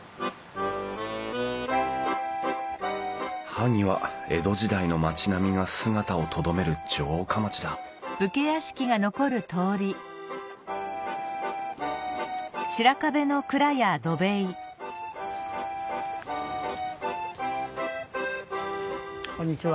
萩は江戸時代の町並みが姿をとどめる城下町だこんにちは。